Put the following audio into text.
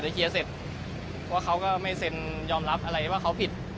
เขาก็ไม่เซ็นยอมรับอะไรว่าเขาผิด